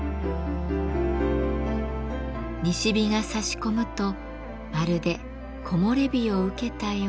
西日がさし込むとまるで木漏れ日を受けたよう。